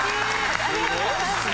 ありがとうございます。